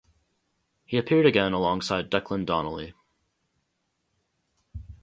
He appeared again alongside Declan Donnelly.